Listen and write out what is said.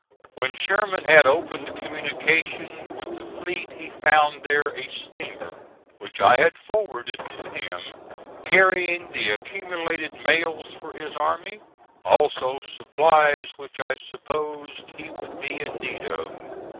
When Sherman had opened communication with the fleet he found there a steamer, which I had forwarded to him, carrying the accumulated mails for his army, also supplies which I supposed he would be in need of.